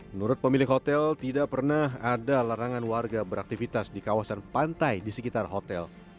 menurut pemilik hotel tidak pernah ada larangan warga beraktivitas di kawasan pantai di sekitar hotel